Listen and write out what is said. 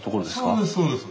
そうですそうです。